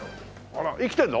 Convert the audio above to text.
あら生きてんの？